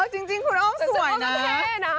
จริงคุณอ้อมสวยนะ